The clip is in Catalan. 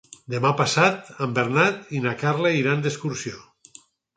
Demà passat en Bernat i na Carla iran d'excursió.